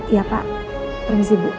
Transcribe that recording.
iya pak permisi bu